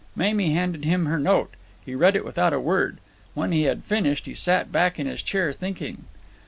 Mamie handed him her note. He read it without a word. When he had finished he sat back in his chair, thinking.